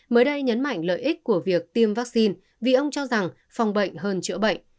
mới đây nhấn mạnh lợi ích của việc tiêm vaccine vì ông cho rằng phòng bệnh hơn chữa bệnh